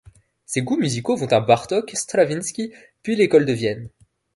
Ses goûts musicaux vont à Bartók, Stravinsky, puis l'École de Vienne.